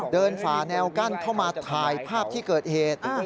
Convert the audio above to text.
ฝ่าแนวกั้นเข้ามาถ่ายภาพที่เกิดเหตุ